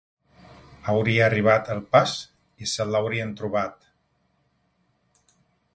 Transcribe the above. Hauria arribat el pas i se'l haurien trobat